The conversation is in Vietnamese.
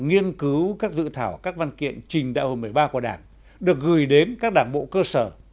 nghiên cứu các dự thảo các văn kiện trình đại hội một mươi ba của đảng được gửi đến các đảng bộ cơ sở